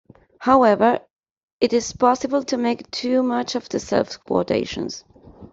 However, it is possible to make too much of the self-quotations.